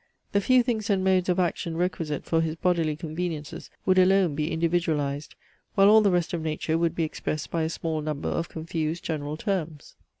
The few things and modes of action requisite for his bodily conveniences would alone be individualized; while all the rest of nature would be expressed by a small number of confused general terms.